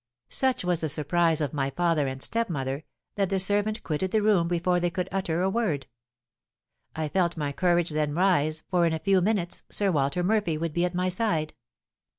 Such was the surprise of my father and stepmother, that the servant quitted the room before they could utter a word. I felt my courage then rise, for, in a few minutes, Sir Walter Murphy would be at my side.